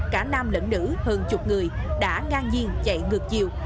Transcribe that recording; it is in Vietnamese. cả nam lẫn nữ hơn chục người đã ngang nhiên chạy ngược chiều